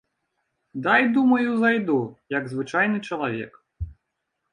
Дай, думаю, зайду, як звычайны чалавек.